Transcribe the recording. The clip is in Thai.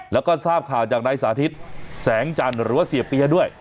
แล้วก็ทราบข่าวจากนายสาธิตแสงจันทร์หรือว่าเสียเปียด้วย